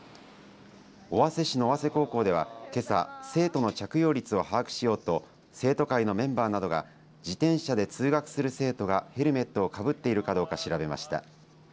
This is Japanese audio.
尾鷲市の尾鷲高校ではけさ生徒の着用率を把握しようと生徒会のメンバーなどが自転車で通学する生徒がヘルメットをかぶっているかどうか調べました。